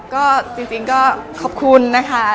ก็จริงก็ขอบคุณนะคะ